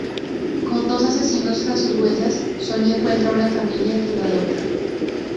Con dos asesinos tras sus huellas, Sonny encuentra una familia que lo adopta.